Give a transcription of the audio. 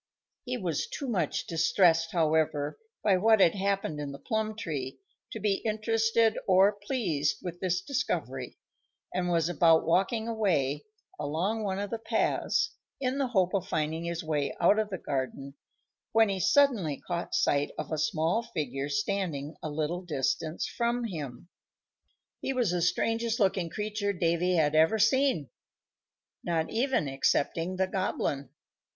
He was too much distressed, however, by what had happened in the plum tree to be interested or pleased with this discovery, and was about walking away, along one of the paths, in the hope of finding his way out of the garden, when he suddenly caught sight of a small figure standing a little distance from him. He was the strangest looking creature Davy had ever seen, not even excepting the Goblin.